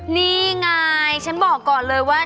นี่ไงฉันบอกก่อนเลยว่า